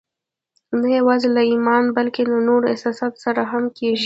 نه يوازې له ايمان بلکې له نورو احساساتو سره هم کېږي.